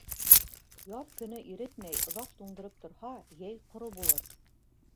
Яҙ көнө иретмәй, оҙаҡ туңдырып торһа, йәй ҡоро булыр.